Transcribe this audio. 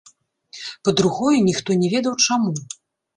Па-другое, ніхто не ведаў чаму.